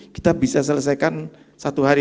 kita bisa selesaikan satu hari